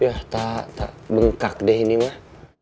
yah tak tak bengkak deh ini mah